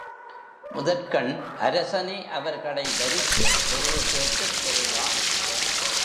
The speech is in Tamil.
முதற்கண் அரசனே அவர்களை வருத்திப் பொருள் கேட்டுப் பெறுவான்.